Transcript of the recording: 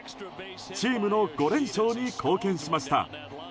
チームの５連勝に貢献しました。